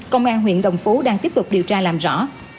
công an huyện đồng phú đang tiếp tục điều tra làm rõ